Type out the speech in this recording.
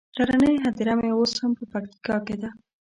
پلرنۍ هديره مې اوس هم په پکتيکا کې ده.